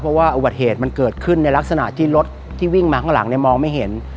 เพราะว่าอุบัติเหตุมันเกิดขึ้นในลักษณะที่รถที่วิ่งมาข้างหลังเนี่ยมองไม่เห็น